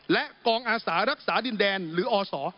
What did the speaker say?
และกองอาสารักษาดินแดนหรืออศ